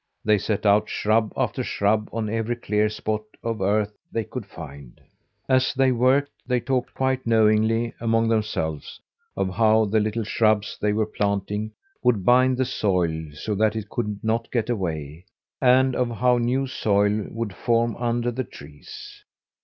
They set out shrub after shrub on every clear spot of earth they could find. As they worked, they talked quite knowingly among themselves of how the little shrubs they were planting would bind the soil so that it could not get away, and of how new soil would form under the trees.